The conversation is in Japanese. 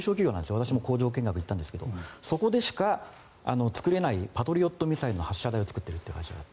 私も工場見学に行ったんですがそこでしか作れないパトリオットミサイルの発射台を作っている会社があって。